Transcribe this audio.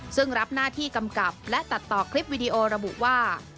ซึ่งรับหน้าที่กำกับและตัดต่อคลิปวิดีโอระบุว่า